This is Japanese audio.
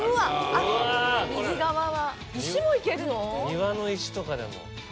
庭の石とかでも。